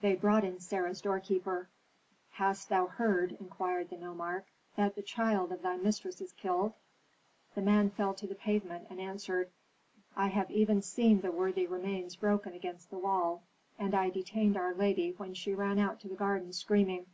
They brought in Sarah's doorkeeper. "Hast thou heard," inquired the nomarch, "that the child of thy mistress is killed?" The man fell to the pavement, and answered, "I have even seen the worthy remains broken against the wall, and I detained our lady when she ran out to the garden, screaming."